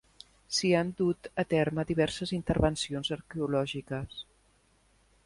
S'hi han duit a terme diverses intervencions arqueològiques.